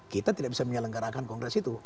kita tidak bisa menyelenggarakan kongres itu